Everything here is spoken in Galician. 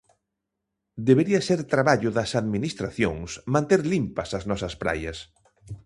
Debería ser traballo das administracións manter limpas as nosas praias.